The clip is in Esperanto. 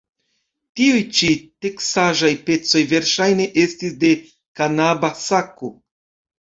Tiuj ĉi teksaĵaj pecoj verŝajne estis de kanaba sako.